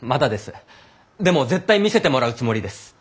でも絶対見せてもらうつもりです。